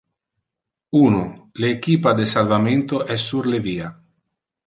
i, le equipa de salvamento es sur le via.